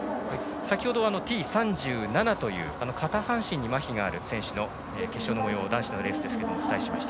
先ほどはＴ３７という片半身にまひがある選手の決勝のもよう男子のレースですがお伝えしました。